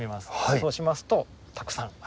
そうしますとたくさん集まって。